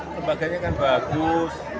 lembaganya kan bagus